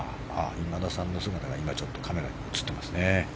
今田さんの姿がカメラに映ってましたね。